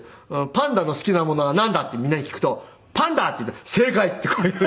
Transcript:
「パンダの好きなものはなんだ？」ってみんなに聞くと「パンだ！」って言ったら「正解」ってこういう。